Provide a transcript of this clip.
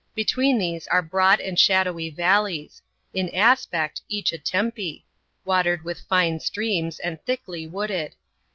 Between these are broad and shadowy valleys — in aspect, each aTempe — watered with fine streams, and thickly wooded.